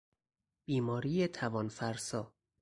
بیماری توان فرسا